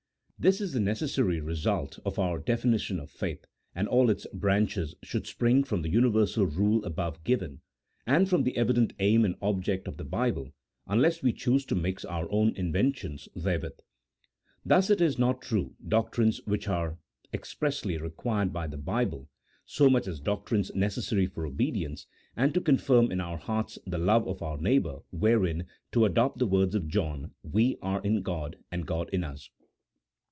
This is the neces sary result of our definition of faith, and all its branches should spring from the universal rule above given, and from the evident aim and object of the Bible, unless we choose to mix our own inventions therewith. Thus it is not true doctrines which are expressly required by the Bible, so much as doctrines necessary for obedience, and to con firm in our hearts the love of our neighbour, wherein (to adopt the words of John) we are in God, and God in us.